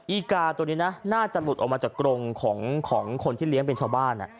อีกาตัวนี้นะน่าจะหลุดออกมาจากกรงของคนที่เลี้ยงเป็นชาวบ้าน